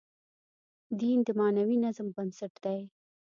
دین د معنوي نظم بنسټ دی.